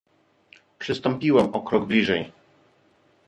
"Przystąpiłam o krok bliżej."